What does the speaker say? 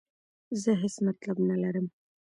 زه هیڅ مطلب نه لرم.